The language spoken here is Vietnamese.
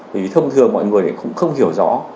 vì thông thường mọi người cũng không hiểu rõ